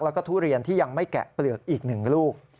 แล้วก็ทุเรียนที่ยังไม่แกะเปลือกอีก๑ลูก